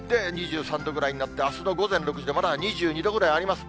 ２３度ぐらいになって、あすの午前６時で、まだ２２度ぐらいあります。